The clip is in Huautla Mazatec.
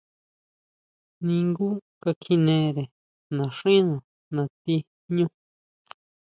Ningú ka kjinere naxína nati jñú.